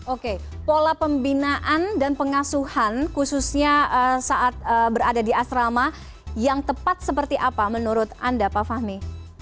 oke pola pembinaan dan pengasuhan khususnya saat berada di asrama yang tepat seperti apa menurut anda pak fahmi